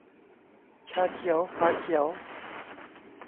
'ชาเขียวฝาเขียว